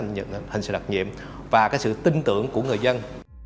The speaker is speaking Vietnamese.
hình ảnh của lực lượng cảnh sát đặc nhiệm và sự tin tưởng của người dân